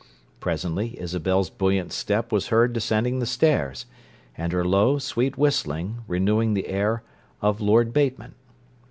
Presently Isabel's buoyant step was heard descending the stairs, and her low, sweet whistling, renewing the air of "Lord Bateman."